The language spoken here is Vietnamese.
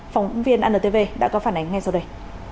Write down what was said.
phóng viên antv đã có phản ánh ngay sau đây